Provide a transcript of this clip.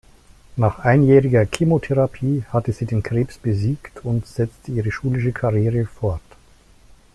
Nach einjähriger Chemotherapie hatte sie den Krebs besiegt und setzte ihre schulische Karriere fort.